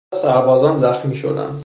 چند تا از سربازان زخمی شدند.